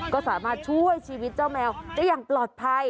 ก็สามารถช่วยชีวิตเจ้าแมวได้อย่างปลอดภัย